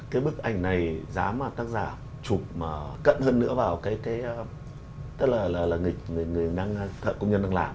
cái bức ảnh này dám tác giả chụp cận hơn nữa vào cái nghịch thợ công nhân đang làm